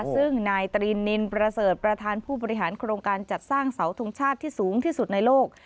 ซึ่งนายตรีนินประเสริฐประธานผู้บริหารโครงการจัดสร้างเสาทงชาติที่สูงที่สุดในโลก